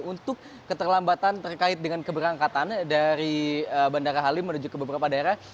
untuk keterlambatan terkait dengan keberangkatan dari bandara halim menuju ke beberapa daerah